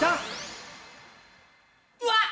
うわっ！